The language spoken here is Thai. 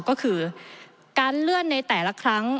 ก็คือการเลื่อนในแต่ละครั้ง